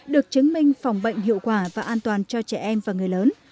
được chứng minh phòng bệnh hiệu quả và an toàn cho trẻ em và người lớn